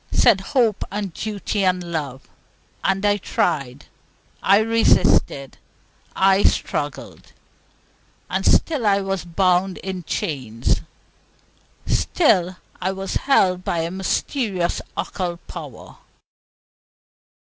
said hope and duty and love; and I tried, I resisted, I struggled. And still I was bound in chains; still I was held by a mysterious occult power.